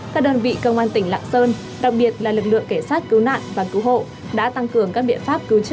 các đơn vị cơ quan tỉnh lạng sơn đặc biệt là lực lượng kẻ sát cứu nạn và cứu hộ đã tăng cường các biện pháp cứu trợ